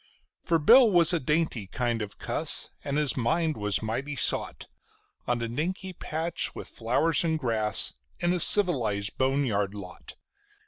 For Bill was a dainty kind of cuss, and his mind was mighty sot On a dinky patch with flowers and grass in a civilized bone yard lot.